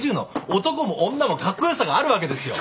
男も女もカッコ良さがあるわけですよ。